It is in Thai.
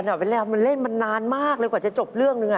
มันเล่นมานานมากเลยกว่าจะจบเรื่องหนึ่ง